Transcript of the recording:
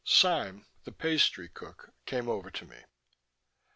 Sime, the pastry cook, came over to me.